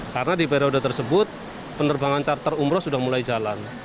karena di periode tersebut penerbangan charter umroh sudah mulai jalan